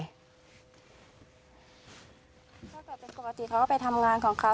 ตั้งแต่เป็นปกติเขาก็ไปทำงานของเขา